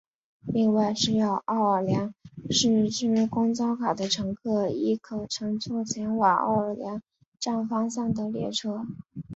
另外持有奥尔良市区公交卡的乘客亦可乘坐前往奥尔良站方向的列车。